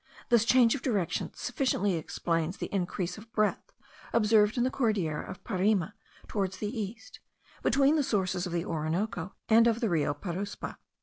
This change of direction sufficiently explains the increase of breadth observed in the Cordillera of Parime towards the east, between the sources of the Orinoco and of the Rio Paruspa.